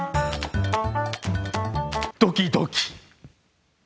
ドキドキ。